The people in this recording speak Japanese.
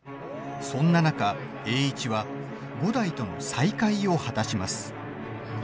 そんな中、栄一は五代との再会を果たします。